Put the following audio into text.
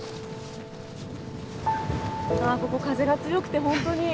あここ風が強くて本当に。